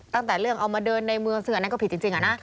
ตั้งแต่เรื่องเอามาเดินในเมืองเสือนก็ผิดจริง